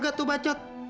jaya tuh bacot